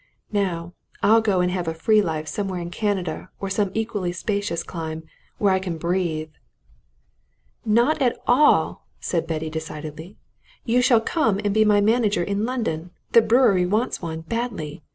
Now, I'll go and have a free life somewhere in Canada or some equally spacious clime where I can breathe." "Not at all!" said Betty decidedly. "You shall come and be my manager in London. The brewery wants one, badly.